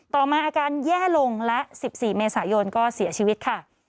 ต่อมาอาการแย่ลงและ๑๔เมษายนก็เสียชีวิตค่ะ